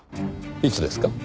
いつですか？